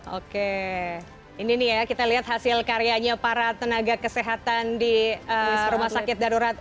oke ini nih ya kita lihat hasil karyanya para tenaga kesehatan di rumah sakit darurat